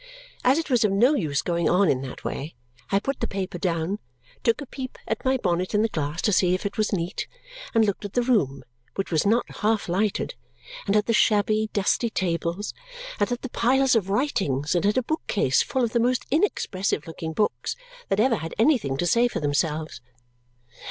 As it was of no use going on in that way, I put the paper down, took a peep at my bonnet in the glass to see if it was neat, and looked at the room, which was not half lighted, and at the shabby, dusty tables, and at the piles of writings, and at a bookcase full of the most inexpressive looking books that ever had anything to say for themselves.